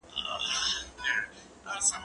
زه به سبا ليک لولم وم؟